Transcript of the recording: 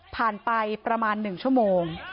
ผ่านไปประมาณ๑ชั่วโมง